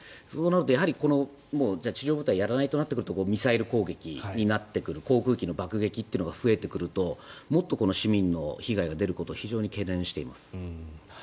そうなるとやはり地上部隊やらないとなってくるとミサイル攻撃になってくる航空機の爆撃というのが増えてくるともっと市民の被害が出ることは非常に懸念しています。